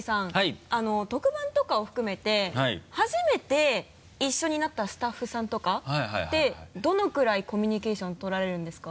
特番とかを含めて初めて一緒になったスタッフさんとかってどのくらいコミュニケーション取られるんですか？